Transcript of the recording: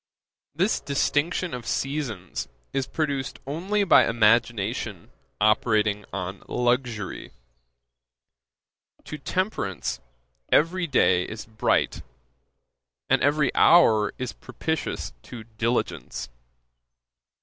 This distinction of seasons is produced only by imagination operating on luxury. To temperance, every day is bright; and every hour is propitious to diligence.